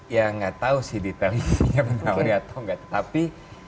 ya nggak tahu sih detailnya menawari atau nggak tapi